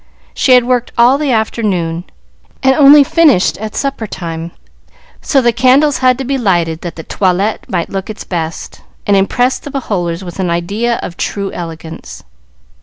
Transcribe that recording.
She had worked all the afternoon, and only finished at supper time, so the candles had to be lighted that the toilette might look its best, and impress the beholders with an idea of true elegance.